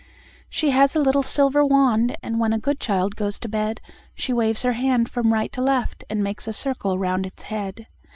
She has a little silver wand, And when a good child goes to bed She waves her wand from right to left, And makes a circle round its head.